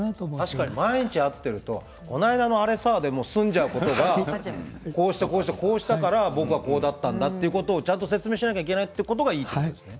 確かに毎日、会ってるとこないだのあれさーと済んじゃうけどこうこうこうしたから僕はこうだったと、ちゃんと説明しなければいけないということがいいということですね。